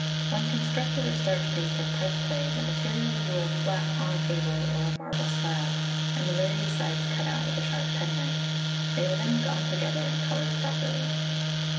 When constructed of starch paste, or pipeclay, the material is rolled flat on a table or marble slab, and the various sides cut out with a sharp penknife; they are then gummed together, and coloured properly.